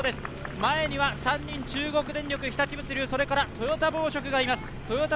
前には３人、中国電力、日立物流、トヨタ紡織がいます。